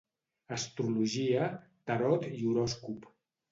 Astrologia, tarot i horòscop.